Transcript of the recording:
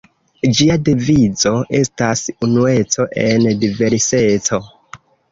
Ĝia devizo estas 'unueco en diverseco.